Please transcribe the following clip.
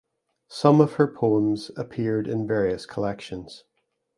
Some of her poems appeared in various collections.